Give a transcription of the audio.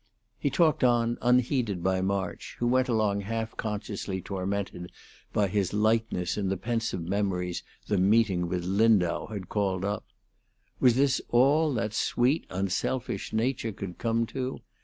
He talked on, unheeded by March, who went along half consciously tormented by his lightness in the pensive memories the meeting with Lindau had called up. Was this all that sweet, unselfish nature could come to?